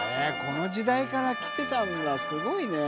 この時代から来てたんだすごいね。